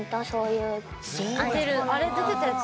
あれ出てたやつ？